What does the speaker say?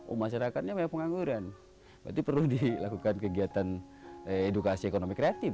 umat seragamnya pengangguran berarti perlu dilakukan kegiatan edukasi ekonomi kreatif